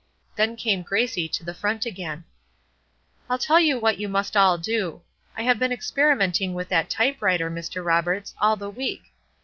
Then came Gracie to the front again: "I'll tell you what you must all do. I have been experimenting with that type writer, Mr. Roberts, all the week.